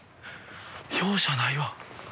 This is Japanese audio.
容赦ないわ。